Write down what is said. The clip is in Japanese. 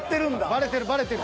バレてるバレてる。